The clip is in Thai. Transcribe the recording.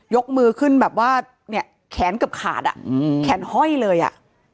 ยกมือขึ้นแบบว่าเนี่ยแขนเกือบขาดอ่ะอืมแขนห้อยเลยอ่ะ